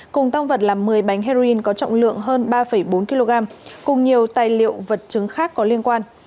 cùng tăng vật là một mươi bánh heroin có trọng lượng hơn ba bốn kg cùng nhiều tài liệu vật chứng khác có liên quan